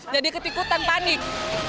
jadi ketikutan panik